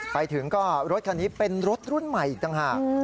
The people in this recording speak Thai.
ไปถึงก็รถคันนี้เป็นรถรุ่นใหม่อีกต่างหาก